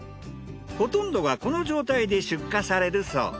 ほとんどがこの状態で出荷されるそう。